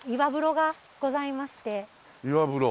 岩風呂？